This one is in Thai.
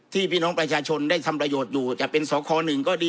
พี่น้องประชาชนได้ทำประโยชน์อยู่จะเป็นสคหนึ่งก็ดี